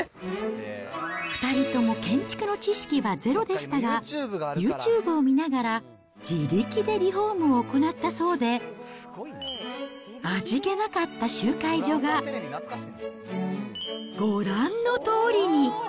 ２人とも建築の知識はゼロでしたが、ユーチューブを見ながら、自力でリフォームを行ったそうで、味気なかった集会所が、ご覧のとおりに。